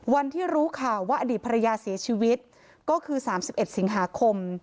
วันที่รู้ค่ะว่าอดีตภรรยาเสียชีวิตก็คือสามสิบเอ็ดสิงหาคม